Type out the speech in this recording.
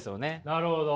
なるほど。